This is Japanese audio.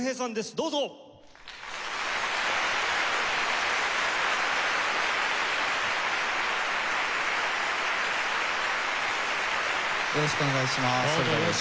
どうぞよろしくお願い致します。